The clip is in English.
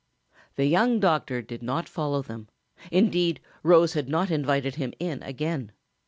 The young doctor did not follow them, indeed Rose had not invited him in again.